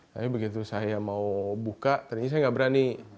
tapi begitu saya mau buka tadi saya nggak berani